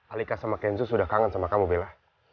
alika sama kenzu sudah kangen sama kamu bella